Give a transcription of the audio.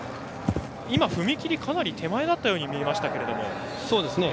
踏み切りかなり手前だったように見えましたが。